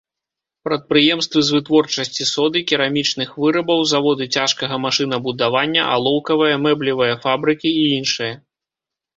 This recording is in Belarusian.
Прадпрыемствы з вытворчасці соды, керамічных вырабаў, заводы цяжкага машынабудавання, алоўкавая, мэблевая фабрыкі і іншае.